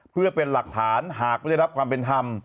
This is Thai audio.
เพื่อเป็นหลักฐานหากไม่ได้รับความเป็นธรรม